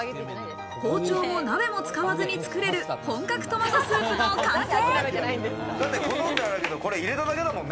包丁も鍋も使わずにつくれる本格トマトスープの完成！